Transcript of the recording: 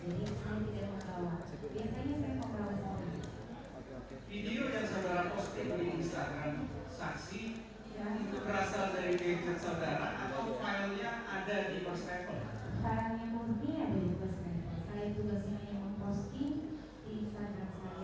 kemudian dalam postingan di instagram saudara action itu ditentukan atau diarahkan oleh tendangkuas satu dua tiga atau murid merupakan hasil dari instagram saudara saksi